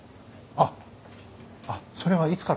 あっそれはいつから？